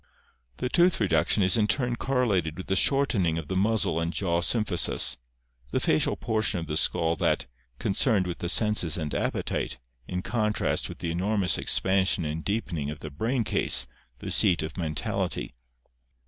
The tooth reduction is in turn correlated with the shortening of the muzzle and jaw symphysis — the facial portion of the skull, that concerned with the senses and appetite, in contrast with the enor mous expansion and deepening of the brain case, the seat of mental ity.